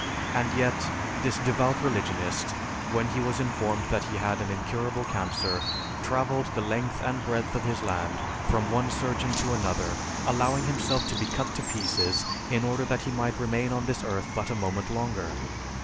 And yet, this devout religionist, when he was informed that he had an incurable cancer, traveled the length and breadth of his land, from one surgeon to another, allowing himself to be cut to pieces, in order that he might remain on this earth but a moment longer.